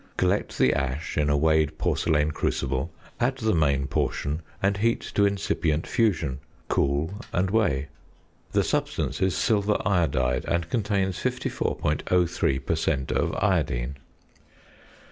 Collect the ash in a weighed porcelain crucible, add the main portion, and heat to incipient fusion; cool, and weigh. The substance is silver iodide, and contains 54.03 per cent. of iodine.